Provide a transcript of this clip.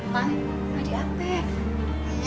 mak adik apa ya